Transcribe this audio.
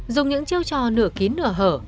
dùng những chiêu trò nửa kín nửa hở